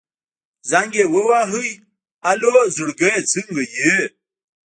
زنګ يې ووهه الو زړګيه څنګه يې.